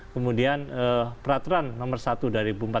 kemudian peraturan nomor satu dua ribu empat belas